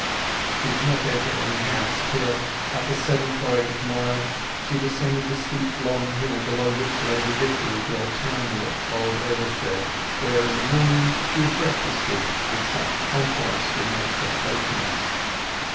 She did not enter any house till, at the seventh or eighth mile, she descended the steep long hill below which lay the village or townlet of Evershead, where in the morning she had breakfasted with such contrasting expectations.